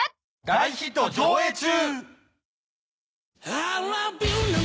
大ヒット上映中！